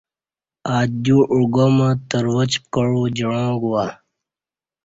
ا دیو اگعمہ ترواچ پکعو جعاں گوا ۔